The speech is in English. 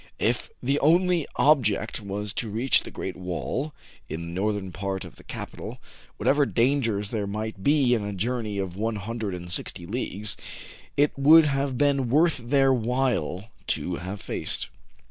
If I KIN FO TRAVELS AGAIN, l8l the only object was to reach the Great Wall in the northern part of the capital, whatever dangerîk there might be in a journey of one hundred and sixty leagues, it would have been worth their while to have faced.